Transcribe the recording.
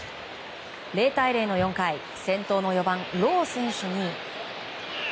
０対０の４回先頭の４番、ロー選手に。